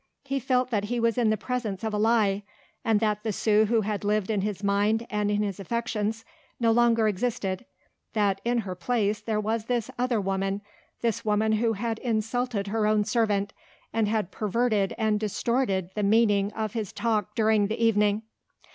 He felt that he was in the presence of a lie and that the Sue who had lived in his mind and in his affections no longer existed, that in her place there was this other woman, this woman who had insulted her own servant and had perverted and distorted the meaning of his talk during the evening.